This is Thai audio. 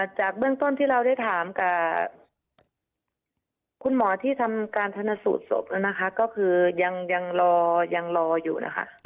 จากเบื้องต้นที่เราได้ถามกับคุณหมอที่ทำการชนสูตรศพแล้วนะคะก็คือยังรอยังรออยู่นะคะ